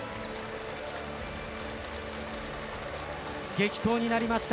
激闘になりました。